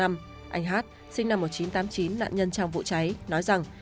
anh hát sinh năm một nghìn chín trăm tám mươi chín nạn nhân trong vụ cháy nói rằng